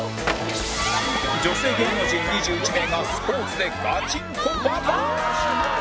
女性芸能人２１名がスポーツでガチンコバトル！